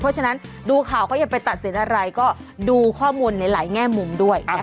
เพราะฉะนั้นดูข่าวเขาอย่าไปตัดสินอะไรก็ดูข้อมูลในหลายแง่มุมด้วย